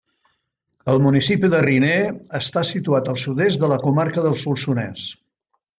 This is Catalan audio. El municipi de Riner està situat al sud-est de la comarca del Solsonès.